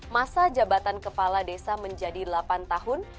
masa jabatan kepala desa menjadi delapan tahun